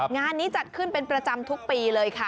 งานนี้จัดขึ้นเป็นประจำทุกปีเลยค่ะ